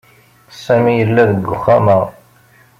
Sami yella deg uxxam-a.